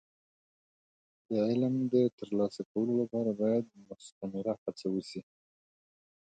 د علم د ترلاسه کولو لپاره باید مستمره هڅه وشي.